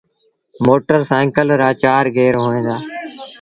موٽر سآئيٚڪل رآ چآر گير هوئين دآ۔